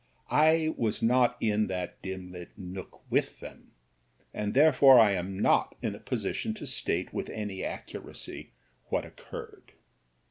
I was not in that dim lit nook with them, and therefore I am not in a position to state with any accuracy what occurred.